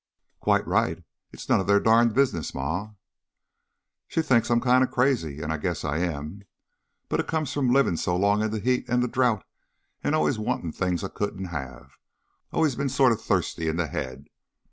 "Quite right. It's none of their darned business, Ma." "She thinks I'm kind of crazy an' I guess I am. But it comes from livin' so long in the heat an' the drought an' allus wantin' things I couldn't have allus bein' sort of thirsty in the head.